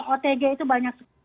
otg itu banyak